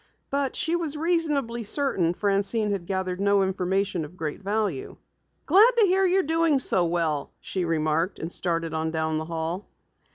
But she was reasonably certain Francine had gathered no information of great value. "Glad to hear you're doing so well," she remarked and started on down the hall.